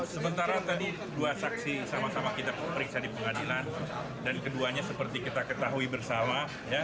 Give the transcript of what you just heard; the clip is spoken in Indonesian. sementara tadi dua saksi sama sama kita periksa di pengadilan dan keduanya seperti kita ketahui bersama